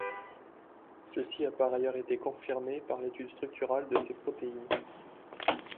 Ceci a par ailleurs été confirmé par l'étude structurale de ces protéines.